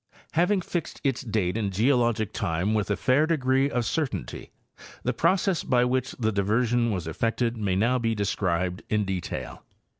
—Having fixed its date in geologic time with a fair degree of certainty, the pro cess by which the diversion was effected may now be described in detail.